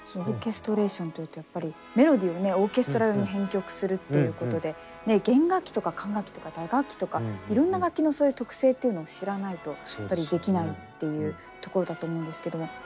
オーケストレーションというとやっぱりメロディーをねオーケストラ用に編曲するっていうことで弦楽器とか管楽器とか打楽器とかいろんな楽器のそういう特性っていうのを知らないとやっぱりできないっていうところだと思うんですけども。